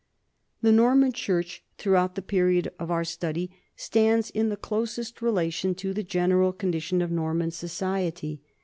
The Norman church throughout the period of our study stands in the closest relation to the general condi tions of Norman society.